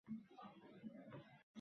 Uy vazifasini bajarib kelmagan.